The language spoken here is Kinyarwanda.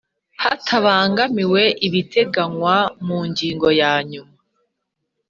Hatabangamiwe ibiteganywa mu ngingo ya yanyuma